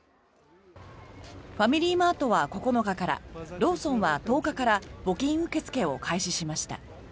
ファミリーマートは９日からローソンは１０日から募金受け付けを開始しました。